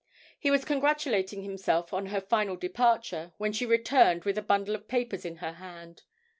He was congratulating himself on her final departure, when she returned with a bundle of papers in her hand.